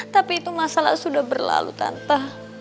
tapi itu masalah sudah berlalu tanpa